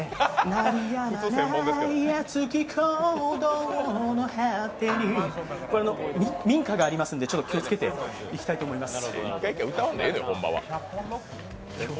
鳴りやまない熱き鼓動の果てに民家がありますので気をつけて行きたいと思います。